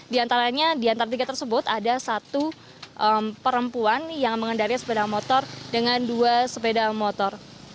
di antaranya di antara tiga tersebut ada satu perempuan yang mengendari sepeda motor dengan dua sepeda motor